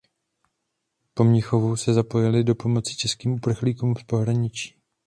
Po Mnichovu se zapojily do pomoci českým uprchlíkům z pohraničí.